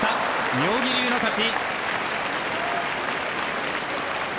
妙義龍の勝ち。